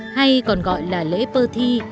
hay còn gọi là lễ pơ thi